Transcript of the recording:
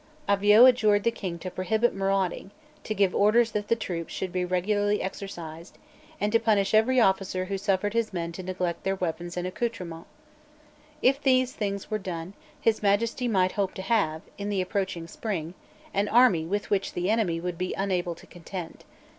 Avaux adjured the King to prohibit marauding, to give orders that the troops should be regularly exercised, and to punish every officer who suffered his men to neglect their weapons and accoutrements. If these things were done, His Majesty might hope to have, in the approaching spring, an army with which the enemy would be unable to contend.